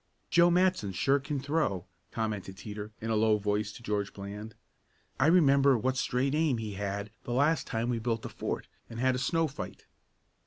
"Joe Matson sure can throw," commented Teeter, in a low voice to George Bland. "I remember what straight aim he had the last time we built a fort, and had a snow fight."